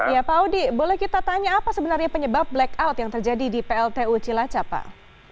ya pak audi boleh kita tanya apa sebenarnya penyebab blackout yang terjadi di pltu cilacap pak